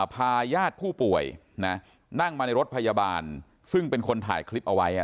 พาญาติผู้ป่วยนั่งมาในรถพยาบาลซึ่งเป็นคนถ่ายคลิปเอาไว้